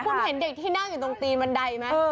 คุณเห็นเด็กที่นั่งอยู่ตรงตีนบันไดไหม